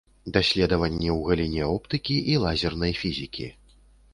Даследаванні ў галіне оптыкі і лазернай фізікі.